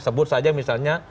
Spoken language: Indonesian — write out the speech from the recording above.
sebut saja misalnya